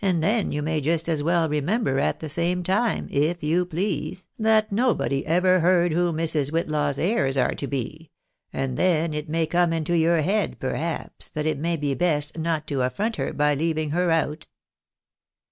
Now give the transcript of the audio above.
185 then you may just as well remember at the same time, if you please, that nobody eyer heard who Mrs. Whitlaw's heirs are to be ; and then it may come into your head, perhaps, that it may be best not to affront her by leaving her out."